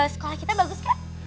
sekolah kita bagus kak